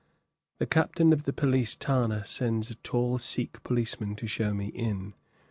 The captain of the police thana sends a tall Sikh policeman to show me in.